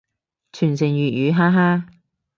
傳承粵語，哈哈